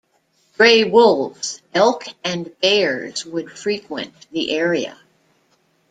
Grey wolves, elk and bears would frequent the area.